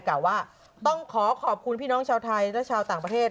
กล่าวว่าต้องขอขอบคุณพี่น้องชาวไทยและชาวต่างประเทศ